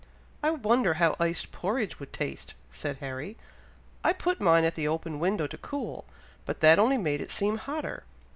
"I wonder how iced porridge would taste!" said Harry. "I put mine at the open window to cool, but that only made it seem hotter.